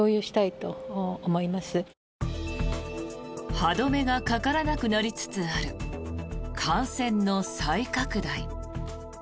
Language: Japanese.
歯止めがかからなくなりつつある感染の再拡大。